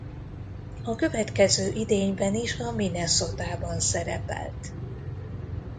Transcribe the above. A következő idényben is a Minnesotában szerepelt.